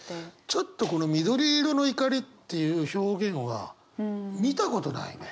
ちょっとこの「緑色の怒り」っていう表現は見たことないね。